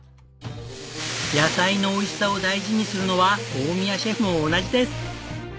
野菜のおいしさを大事にするのは大宮シェフも同じです。